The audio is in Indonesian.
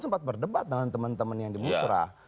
sempat berdebat dengan teman teman yang di musrah